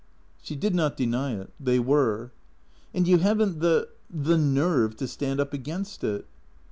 She did not deny it. They were. " And you have n't the — the nerve to stand up against it."